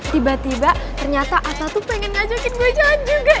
tiba tiba ternyata atta tuh pengen ngajakin gue jalan juga